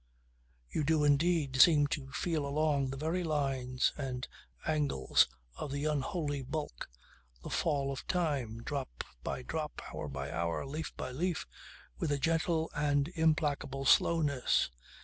You do indeed seem to feel along the very lines and angles of the unholy bulk, the fall of time, drop by drop, hour by hour, leaf by leaf, with a gentle and implacable slowness.